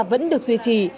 vẫn được duy trì